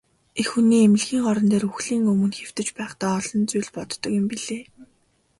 Эх хүн эмнэлгийн орон дээр үхлийн өмнө хэвтэж байхдаа олон зүйл боддог юм билээ.